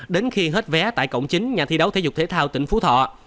đến khi hết vé tại cổng chính nhà thi đấu thể dục thể thao tỉnh phú thọ